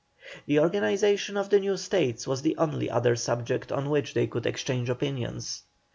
The organization of the new States was the only other subject on which they could exchange opinions.